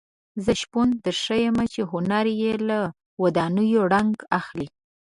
زه شپون درښیم چې هنر یې له ودانیو رنګ اخلي.